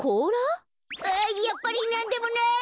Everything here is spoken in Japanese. やっぱりなんでもない！